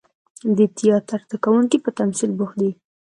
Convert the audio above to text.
د تیاتر زده کوونکي په تمثیل بوخت دي.